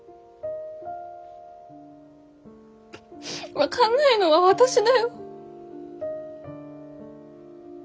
分かんないのは私だよ。